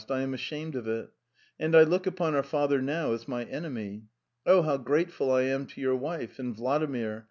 I am ashamed of it. And I regard my father now as an enemy. Oh, how grateful I am to your wife ! And Vladimir.